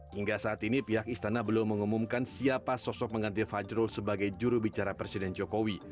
hingga saat ini pihak istana belum mengumumkan siapa sosok mengganti fajrul sebagai jurubicara presiden jokowi